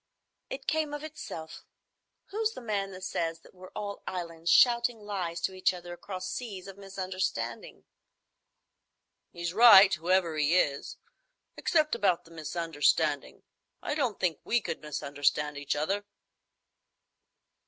"It came of itself. Who's the man that says that we're all islands shouting lies to each other across seas of misunderstanding?" "He's right, whoever he is,—except about the misunderstanding. I don't think we could misunderstand each other."